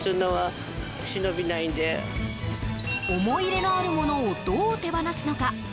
思い入れのあるものをどう手放すのか？